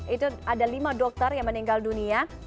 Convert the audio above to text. itu ada lima dokter yang meninggal dunia